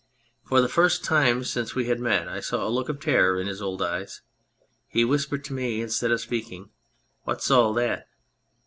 For the first time since we had met I saw a look of terror in his old eyes. He whispered to me, instead of speaking, " What's all that